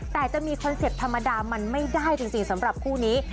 แต่จะมีคอนเซ็ปต์ธรรมดามันไม่ได้จริงสำหรับคู่นี้